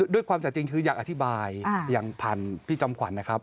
ความสะจริงคืออยากอธิบายอย่างผ่านพี่จอมขวัญนะครับ